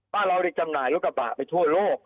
บ้านเรานี่จำหน่ายรถกระบะไปทั่วโลก